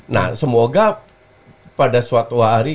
nah semoga pada suatu hari